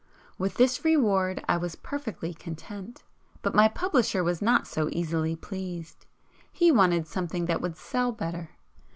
With this reward I was perfectly content, but my publisher was not so easily pleased. He wanted something that would 'sell' better.